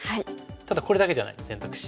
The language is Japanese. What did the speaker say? ただこれだけじゃないです選択肢。